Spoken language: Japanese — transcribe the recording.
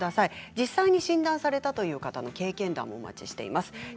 実際に診断されたという方の経験談もお待ちしています。